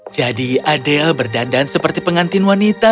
jadi adele berdandan seperti pengantin wanita